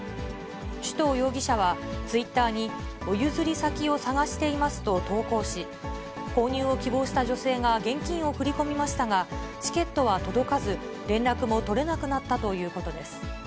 首藤容疑者は、ツイッターに、お譲り先を探していますと投稿し、購入を希望した女性が現金を振り込みましたが、チケットは届かず、連絡も取れなくなったということです。